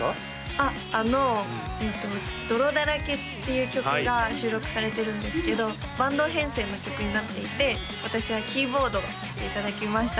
あっあのえっと「泥だらけ」っていう曲が収録されてるんですけどバンド編成の曲になっていて私はキーボードをさせていただきました